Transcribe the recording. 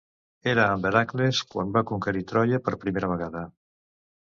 Era amb Hèracles quan va conquerir Troia per primera vegada.